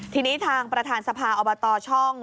ทีนี้ทางประธานสภาอบตช่อง